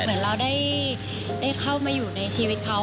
เหมือนเราได้เข้ามาอยู่ในชีวิตเขา